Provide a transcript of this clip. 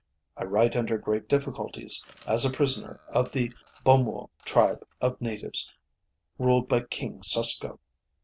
"I write under great difficulties, as a prisoner, of the Bumwo tribe of natives, ruled by King Susko.